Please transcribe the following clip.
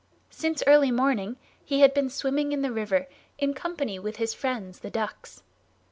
Since early morning he had been swimming in the river, in company with his friends the ducks.